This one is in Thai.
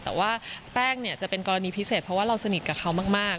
แต่ว่าแป้งเนี่ยจะเป็นกรณีพิเศษเพราะว่าเราสนิทกับเขามาก